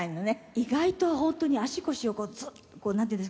意外と本当に足腰をこうなんていうんですかね。